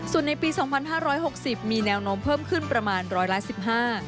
ส่วนในปี๒๕๖๐มีแนวโน้มเพิ่มขึ้นประมาณร้อยล้านสิบห้า